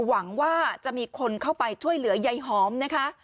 หวังว่าจะมีคนเข้าไปช่วยเหลือยายหอมนะคะ